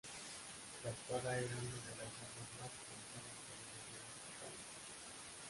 La espada era una de las armas más utilizadas por los guerreros hispanos.